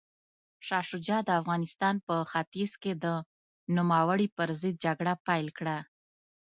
شاه شجاع د افغانستان په ختیځ کې د نوموړي پر ضد جګړه پیل کړه.